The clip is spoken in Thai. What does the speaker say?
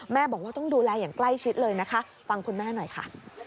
บอกว่าต้องดูแลอย่างใกล้ชิดเลยนะคะฟังคุณแม่หน่อยค่ะ